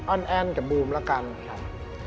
ออนแอนกับบูมละกัน